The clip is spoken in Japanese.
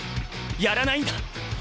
やらないんだ！